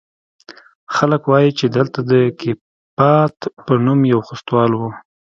خلق وايي چې دلته د کيپات په نوم يو خوستوال و.